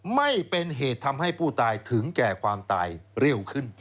ไม่เป็นเหตุทำให้ผู้ตายถึงแก่ความตายเร็วขึ้น